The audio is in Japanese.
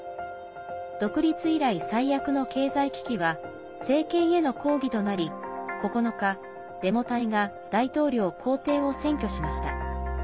独立以来、最悪の経済危機は政権への抗議となり９日、デモ隊が大統領公邸を占拠しました。